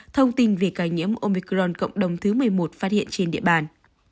thông tin về ca nhiễm omicron cộng đồng thứ một mươi một phát hiện trên địa bàn